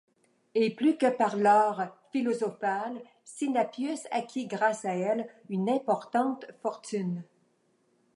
Et plus que par l'or philosophal Sinapius acquit grâce à elle une importante fortune.